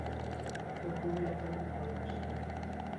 তো, তুমি এখানে কীভাবে আসলে?